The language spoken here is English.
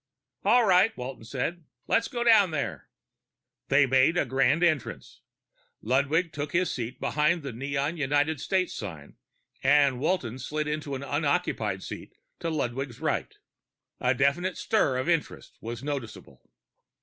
"All right," Walton said. "Let's go down there." They made a grand entrance. Ludwig took his seat behind the neon United States sign, and Walton slid into the unoccupied seat to Ludwig's right. A definite stir of interest was noticeable.